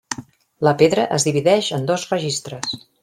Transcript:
La pedra es divideix en dos registres.